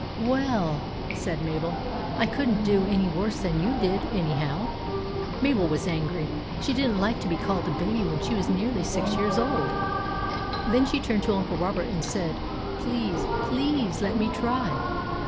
" Well," said Mabel, " I could n't do any worse than you did, anyhow !" Mabel was angry. She did n't like to be called a baby when she was nearly six years THE TAMING OF REX 21 old. Then she turned to Uncle Robert and said :—" Please, please let me try."